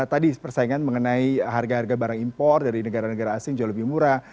tadi persaingan mengenai harga harga barang impor dari negara negara asing jauh lebih murah